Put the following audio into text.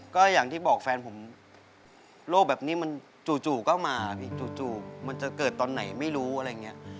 ก็อย่างที่บอกแฟนผมโรคแบบนี้มันจู่ก็มาพี่จู่มันจะเกิดตอนไหนไม่รู้อะไรอย่างนี้